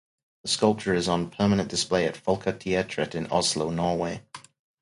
The sculpture is on permanent display in Folketeatret in Oslo, Norway.